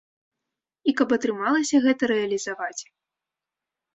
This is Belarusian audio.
І каб атрымалася гэта рэалізаваць.